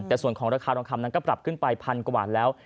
แต่ส่วนของราคาต่อคำนั้นก็ปรับขึ้นไป๑๐๐๐กว่าแล้ว